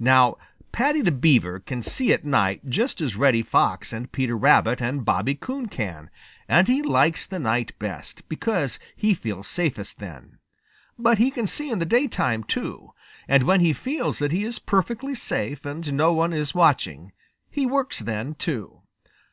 Now Paddy the Beaver can see at night just as Reddy Fox and Peter Rabbit and Bobby Coon can, and he likes the night best, because he feels safest then. But he can see in the daytime too, and when he feels that he is perfectly safe and no one is watching, he works then too.